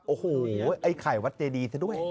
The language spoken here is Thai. โอ้โหไอ้ไข่วัดเจดีเธอด้วย